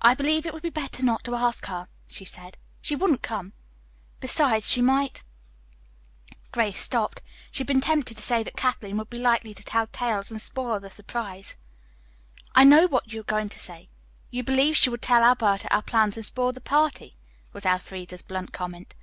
"I believe it would be better not to ask her," she said. "She wouldn't come; besides, she might " Grace stopped. She had been tempted to say that Kathleen would be likely to tell tales and spoil the surprise. "I know what you were going to say. You believe she would tell Alberta our plans and spoil the party," was Elfreda's blunt comment.